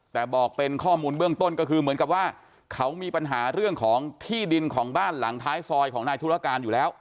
แต่บอกเป็นข้อมูลเบื้องต้นก็คือเหมือนกับว่าเขามีปัญหาเรื่องของที่ดินของบ้านหลังท้ายซอยของนายธุรการอยู่แล้ว